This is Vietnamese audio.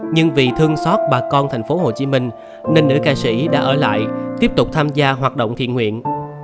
nhưng vì thương xót bà con thành phố hồ chí minh nên nữ ca sĩ đã ở lại tiếp tục tham gia hoạt động thiện nguyện